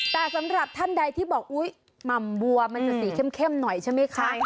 แต่สำหรับท่านใดที่บอกอุ๊ยหม่ำบัวมันจะสีเข้มหน่อยใช่ไหมคะ